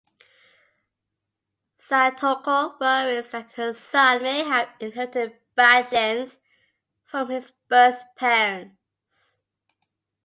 Satoko worries that her son may have inherited bad genes from his birth parents.